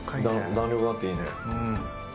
弾力があっていいね。